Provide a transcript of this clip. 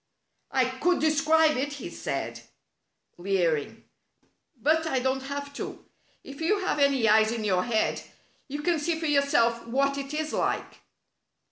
"I could describe it," he said, leering, "but I don't have to. If you have any eyes in your head you can see for yourself what it is like."